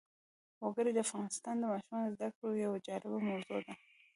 وګړي د افغان ماشومانو د زده کړې یوه جالبه موضوع ده.